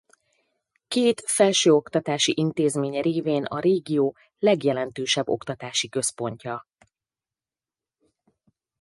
Két felsőoktatási intézménye révén a régió legjelentősebb oktatási központja.